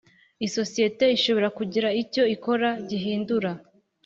Isosiyete ishobora kugira icyo ikora gihindura